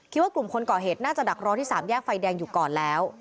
คิดว่ากลุ่มคนก่อเหตุน่าจะดักรอที่สามแยกไฟแดงอยู่ก่อนแล้ว